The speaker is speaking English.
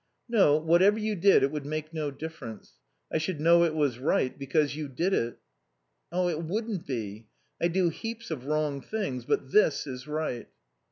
"No. Whatever you did it would make no difference. I should know it was right because you did it." "It wouldn't be. I do heaps of wrong things, but this is right."